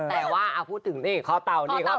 แต่ว่าพูดถึงนี่เค้าเตา